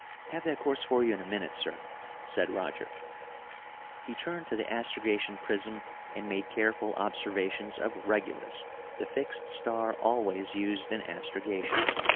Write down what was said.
"Have that course for you in a minute, sir," said Roger. He turned to the astrogation prism and made careful observations of Regulus, the fixed star always used in astrogation.